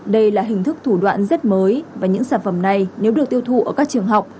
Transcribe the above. đây là hình thức thủ đoạn rất mới và những sản phẩm này nếu được tiêu thụ ở các trường học